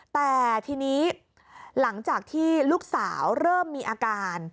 แต่ทีนี้หลังจากที่ลูกสาวเริ่มมีอาการ